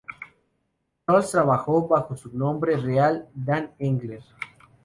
Charles trabajó bajo su nombre real Dan Engler.